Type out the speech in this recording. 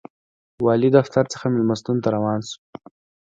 والي دفتر څخه مېلمستون ته روان و.